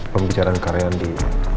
pembicaraan karyan di playground cafe